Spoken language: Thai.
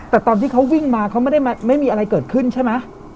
แต่ตอนที่เขาวิ่งมาเขาไม่ได้ไม่มีอะไรเกิดขึ้นใช่ไหม